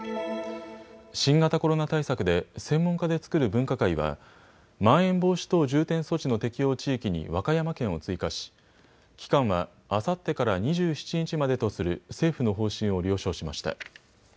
新型コロナ対策で専門家で作る分科会はまん延防止等重点措置の適用地域に和歌山県を追加し、期間は、あさってから２７日までとする政府の方針を了承しました。